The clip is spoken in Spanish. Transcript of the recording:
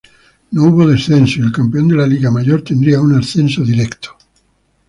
No hubo descenso y el campeón de la Liga Mayor tendría un ascenso directo.